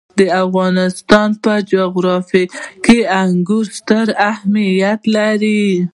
د افغانستان په جغرافیه کې انګور ستر اهمیت لري.